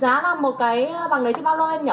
giá làm một cái bằng đấy thì bao lâu em nhở